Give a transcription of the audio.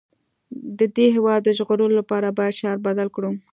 د هېواد د ژغورلو لپاره باید شعار بدل کړو